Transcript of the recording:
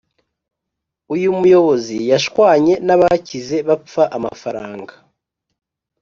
Uyumuyobozi yashwanye nabakize bapfa amafaranga